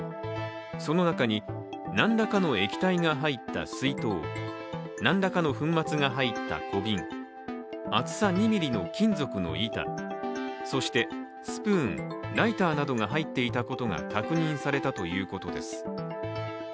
その中に、何らかの液体が入った水筒何らかの粉末が入った小瓶、厚さ２ｍｍの金属の板、そしてスプーン、ライターなどが入っていたことが確認されたということです。